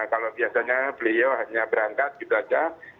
kalau biasanya beliau hanya berangkat gitu saja